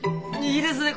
いいですね